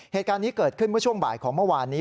เหตุการณ์นี้เกิดขึ้นเมื่อช่วงบ่ายของเมื่อวานนี้